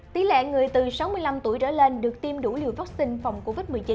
tỷ lệ người từ sáu mươi năm tuổi trở lên được tiêm đủ liều vaccine phòng covid một mươi chín